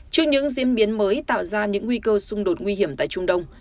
trước những diễn biến mới tạo ra những nguy cơ xung đột nguy hiểm tại trung đông